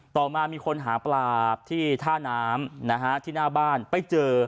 ต่อมามีคนหาปลาที่ท่าน้ำที่หน้าบ้านไปเจอ